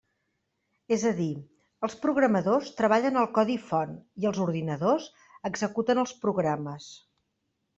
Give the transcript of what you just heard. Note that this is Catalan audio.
És a dir, els programadors treballen el codi font i els ordinadors executen els programes.